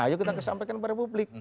ayo kita kesampaikan kepada publik